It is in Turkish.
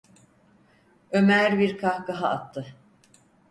Ömer bir kahkaha attı: